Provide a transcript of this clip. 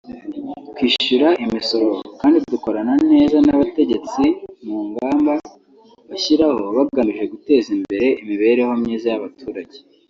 twishyura imisoro kandi dukorana neza n’abategetsi mu ngamba bashyiraho bagamije guteza imbere imibereho myiza y’abaturage